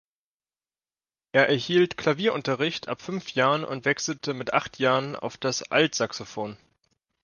Er erhielt Klavierunterricht ab fünf Jahren und wechselte mit acht Jahren auf das Altsaxophon.